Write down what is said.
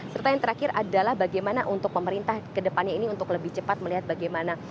serta yang terakhir adalah bagaimana untuk pemerintah kedepannya ini untuk lebih cepat melihat bagaimana